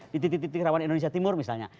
di titik titik rawan indonesia timur misalnya